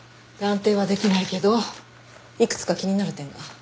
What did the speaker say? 断定はできないけどいくつか気になる点が。